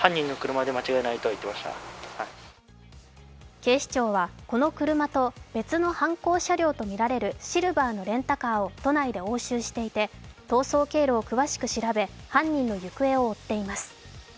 警視庁はこの車と、別の犯行車両とみられるシルバーのレンタカーを都内で押収していて、逃走経路を詳しく調べ犯人の行方を追っています。